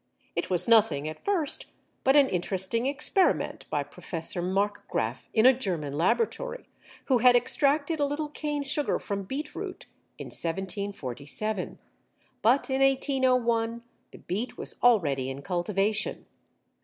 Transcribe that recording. It was nothing at first but an interesting experiment by Professor Marcgraf in a German laboratory, who had extracted a little cane sugar from beetroot in 1747. But in 1801 the beet was already in cultivation.